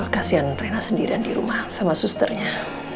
kasian rena sendirian di rumah sama susternya